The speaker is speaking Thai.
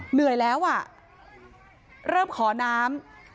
เหนื่อยแล้วอ่ะเริ่มขอน้ำ